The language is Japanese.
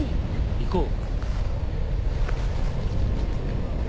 行こう。